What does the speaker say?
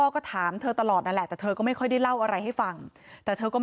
คือห้ามไปไหนเลย